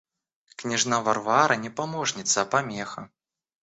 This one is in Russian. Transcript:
Княжна Варвара не помощница, а помеха.